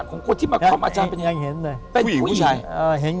ของคนที่มาคล่อมอาจารย์เป็นผู้หญิง